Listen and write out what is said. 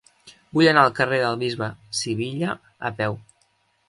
Vull anar al carrer del Bisbe Sivilla a peu.